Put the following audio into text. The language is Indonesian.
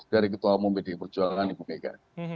dari ketua umum pdi perjuangan ibu mega